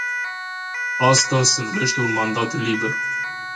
Asta se numește un mandat liber.